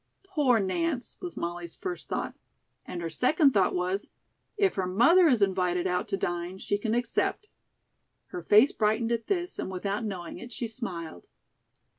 "Poor Nance," was Molly's first thought. And her second thought was: "If her mother is invited out to dine, she can accept." Her face brightened at this, and without knowing it, she smiled.